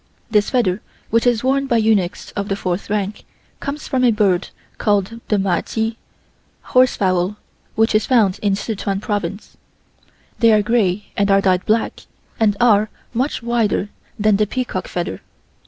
This feather which is worn by eunuchs of the fourth rank, comes from a bird called the magh (horse fowl) which is found in Szechuen Province. They are grey and are dyed black, and are much wider than the peacock feather.